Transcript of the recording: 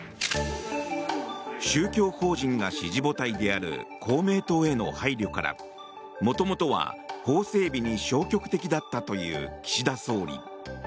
宗教法人が支持母体である公明党への配慮から元々は法整備に消極的だったという岸田総理。